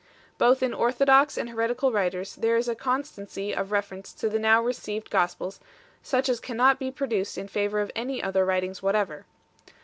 Both in orthodox and heretical writers there is a constancy of reference to the now received Gospels such as cannot be produced in favour of any other writings whatever.